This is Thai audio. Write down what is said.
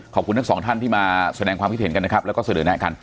ขอบคุณทั้งสองท่านที่มาแสดงความคิดเห็นกันนะครับแล้วก็เสนอแนะกัน